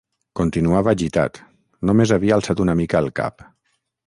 Continuava gitat, només havia alçat una mica el cap.